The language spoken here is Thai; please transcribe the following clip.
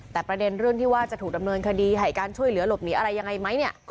แต่ประเด็นเรื่องที่ว่าจะถูกดำเนินคดีให้การช่วยเหลือหลบหนีอะไรยังไงไหมเนี่ย